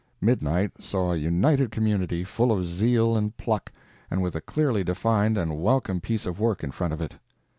Midnight saw a united community, full of zeal and pluck, and with a clearly defined and welcome piece of work in front of it.